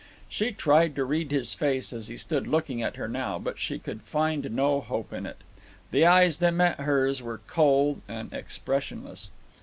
She tried to read his face as he stood looking at her now, but she could find no hope in it. The eyes that met hers were cold and expressionless.